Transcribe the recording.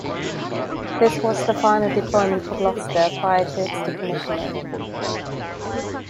This was the final deployment for "Gloucester" prior to its decommissioning.